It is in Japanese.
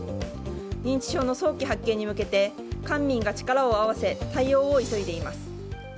認知症の早期発見に向けて官民が力を合わせ対応を急いでいます。